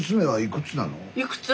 いくつ？